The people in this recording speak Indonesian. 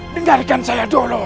dengarkan saya dulu